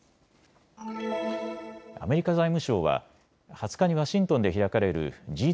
アメリカ財務省は２０日にワシントンで開かれるＧ２０・